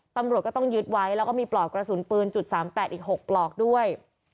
ตำรวจก็ต้องยึดไว้แล้วก็มีปลอกกระสุนปืน๓๘อีก๖ปลอกด้วย